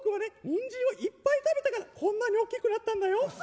にんじんをいっぱい食べたからこんなに大きくなったんだよ。